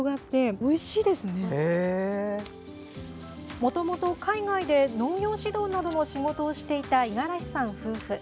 もともと海外で農業指導などの仕事をしていた五十嵐さん夫婦。